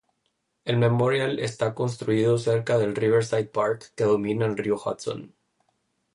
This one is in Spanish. El memorial está construido cerca del Riverside Park, que domina el río Hudson.